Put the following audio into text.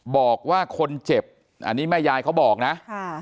บอกว่าคนเจ็บอันนี้แม่ยายเขาบอกนะค่ะ